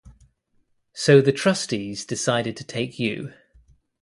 So the trustees decided to take you.